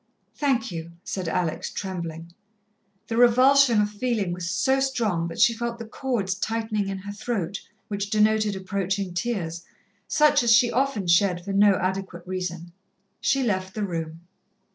"Thank you," said Alex, trembling. The revulsion of feeling was so strong that she felt the chords tightening in her throat, which denoted approaching tears, such as she often shed for no adequate reason. She left the room.